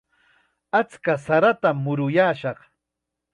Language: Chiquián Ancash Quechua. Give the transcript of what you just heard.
Achka saratam muruyaashaq.